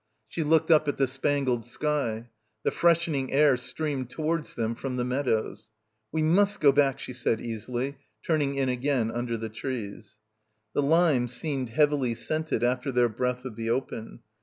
She looked up at the spangled sky. The freshening air streamed to wards them from the meadows. "We must go back," she said easily, turning in again under the trees. The limes seemed heavily scented after their breath of the open.